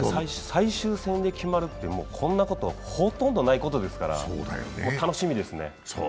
最終戦で決まるって、こんなことほとんどないですからもう楽しみですね。